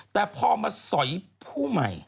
แต่พอมาสอยผู้ใหม่